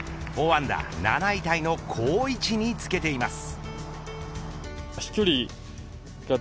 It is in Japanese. ４アンダー、７位タイの好位置につけています。